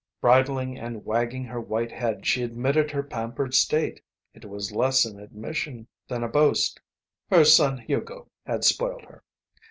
Bridling and wagging her white head she admitted her pampered state. It was less an admission than a boast. Her son Hugo had spoiled her.